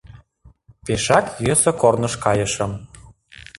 Пешак йӧсӧ корныш кайышым